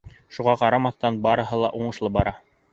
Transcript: Шуға ҡарамаҫтан, барыһы ла уңышлы бара.